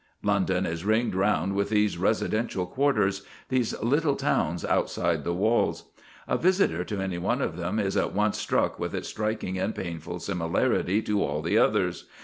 London is ringed round with these residential quarters, these little towns outside the walls. A visitor to any one of them is at once struck with its striking and painful similarity to all the others.